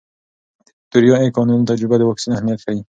د ویکتوریا ایکانوي تجربه د واکسین اهمیت ښيي.